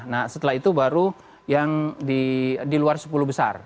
nah setelah itu baru yang di luar sepuluh besar